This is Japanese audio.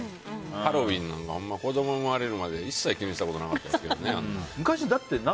ハロウィーンも子供産まれるまで一切気にしたことなかったですけどね、あんな。